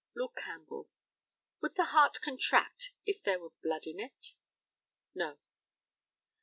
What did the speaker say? Lord CAMPBELL: Would the heart contract if there were blood in it? No.